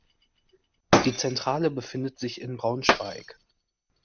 Die Zentrale befindet sich in Braunschweig.